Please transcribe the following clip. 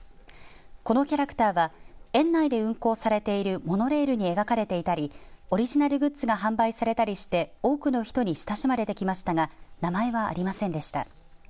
このキャラクターは園内で運行されているモノレールに描かれていたりオリジナルグッズが販売されたりして多くの人に親しまれてきましたが名前はありませんでした。